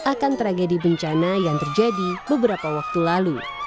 akan tragedi bencana yang terjadi beberapa waktu lalu